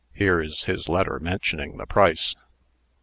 Here is his letter mentioning the price."